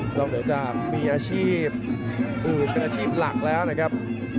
ตรงเดียวจะมีอาชีพอื่นเป็นอาชีพหลักแล้วนะครับ